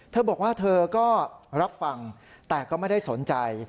เธอบอกว่าเธอก็รับฟังแต่ก็ไม่ได้สนใจ